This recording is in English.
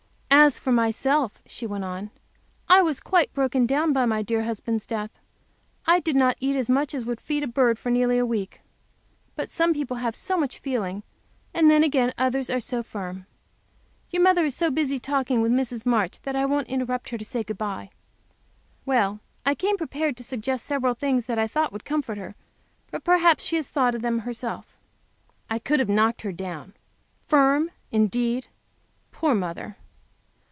"As for myself," she went on, "I was quite broken down by my dear husband's death. I did not eat as much as would feed a bird, for nearly a week. But some people have so much feeling; then again others are so firm. Your mother is so busy talking with Mrs. March that I won't interrupt her to say good bye. I came prepared to suggest several things that I thought would comfort her; but perhaps she has thought of them herself." I could have knocked her down. Firm, indeed! Poor mother.